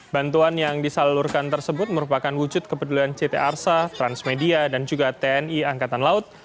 bantuan yang disalurkan tersebut merupakan wujud kepedulian ct arsa transmedia dan juga tni angkatan laut